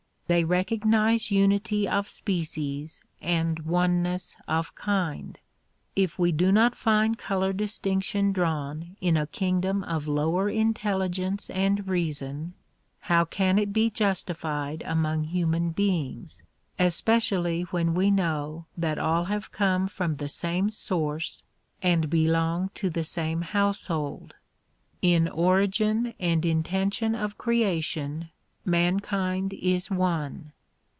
They recognize unity of species and one ness of kind. If we do not find color distinction drawn in a king dom of lower intelligence and reason, how can it be justified among human beings, especially when we know that all have come from the same source and belong to the same household? In origin and intention of creation mankind is one.